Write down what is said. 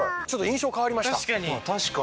確かに。